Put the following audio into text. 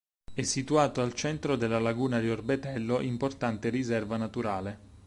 È situato al centro della Laguna di Orbetello, importante riserva naturale.